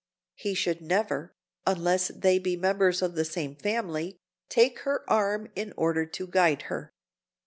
He should never, unless they be members of the same family, take her arm in order to guide her.